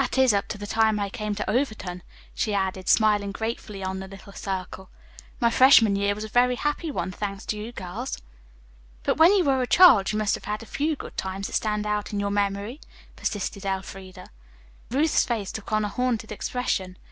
That is, up to the time I came to Overton," she added, smiling gratefully on the little circle. "My freshman year was a very happy one, thanks to you girls." "But when you were a child you must have had a few good times that stand out in your memory," persisted Elfreda. Ruth's face took on a hunted expression.